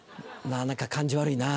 何か感じ悪いな。